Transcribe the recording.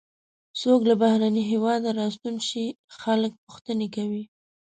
څوک له بهرني هېواده راستون شي خلک پوښتنې کوي.